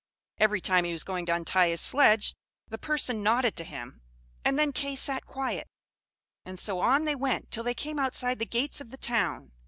Every time he was going to untie his sledge, the person nodded to him, and then Kay sat quiet; and so on they went till they came outside the gates of the town.